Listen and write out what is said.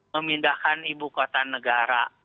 memindahkan ibu kota negara